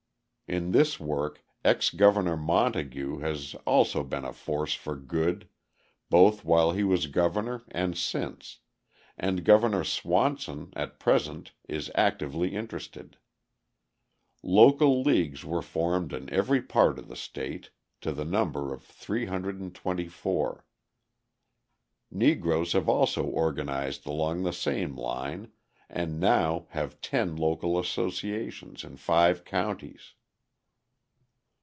In this work Ex Governor Montague has also been a force for good, both while he was governor and since, and Governor Swanson at present is actively interested. Local leagues were formed in every part of the state to the number of 324. Negroes have also organised along the same line and now have ten local associations in five counties.